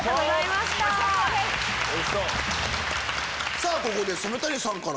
さぁここで。